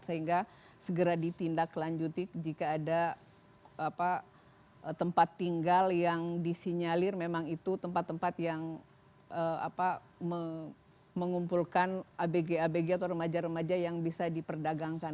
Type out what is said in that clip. sehingga segera ditindaklanjuti jika ada tempat tinggal yang disinyalir memang itu tempat tempat yang mengumpulkan abg abg atau remaja remaja yang bisa diperdagangkan